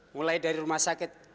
mulai dari rumah sakit